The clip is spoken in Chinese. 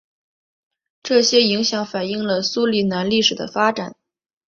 这些影响反映了苏里南历史的发展。